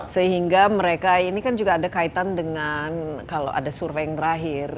sehingga mereka ini kan juga ada kaitan dengan kalau ada survei yang terakhir